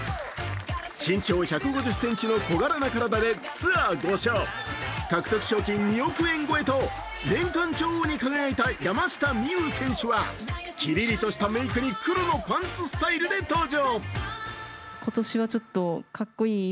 身長１５０ｃｍの小柄な体でツアー５勝、獲得賞金２億円超えと年間女王に輝いた山下美夢有選手は、キリリとしたメークに黒のパンツスタイルで登場。